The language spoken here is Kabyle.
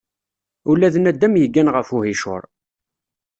Ula d nadam yeggan ɣef uhicur.